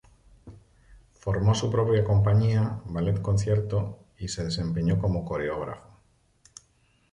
Formó su propia compañía, Ballet Concierto, y se desempeñó como coreógrafo.